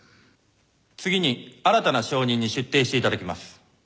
次に新たな証人に出廷して頂きます。